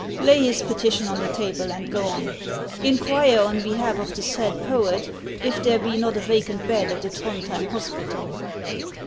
Lay his peti tion on the table, and go on. Inquire, on behalf of the said poet, if there be not a vacant bed at the Throndhjem hospital."